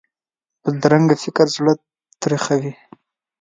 بدرنګه فکر زړه تریخوي